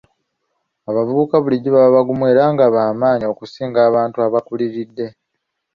Abavubuka bulijjo baba bagumu era nga b'amaanyi okusinga abantu abakuliridde.